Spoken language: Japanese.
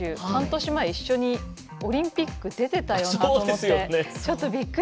半年前、一緒にオリンピック出てたよなと思って。